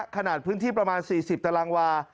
ขนาดพื้นที่ประมาณ๔๐ตารางวา